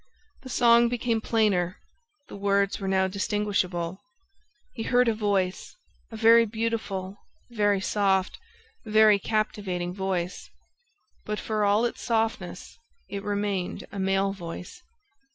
... The song became plainer ... the words were now distinguishable ... he heard a voice, a very beautiful, very soft, very captivating voice ... but, for all its softness, it remained a male voice